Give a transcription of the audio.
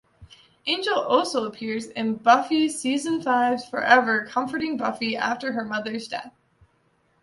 Angel also appears in "Buffy" season five's "Forever", comforting Buffy after her mother's death.